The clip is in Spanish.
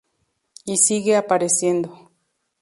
Y sigue apareciendo.